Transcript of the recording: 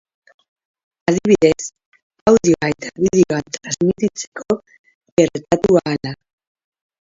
Adibidez, audioa eta bideoa transmititzeko gertatu ahala.